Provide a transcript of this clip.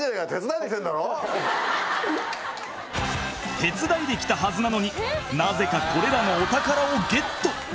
手伝いで来たはずなのになぜかこれらのお宝をゲット